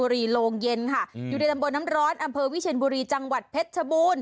โรงเย็นค่ะอยู่ในตำบลน้ำร้อนอำเภอวิเชียนบุรีจังหวัดเพชรชบูรณ์